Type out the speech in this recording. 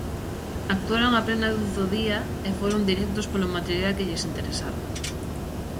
Actuaron a plena luz do día e foron directos polo material que lles interesaba.